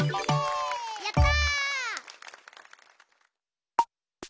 やった！